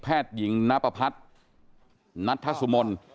แพทย์หญิงนาปะพัดนัททะสุมนต์